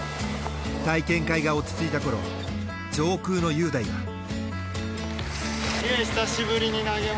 体験会が落ち着いた頃上空の雄大が。